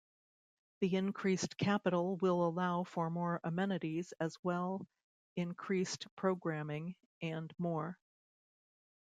The increased capital will allow for more amenities as well increased programming and more.